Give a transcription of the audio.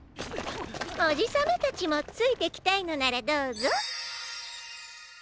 おじさまたちもついてきたいのならどうぞ。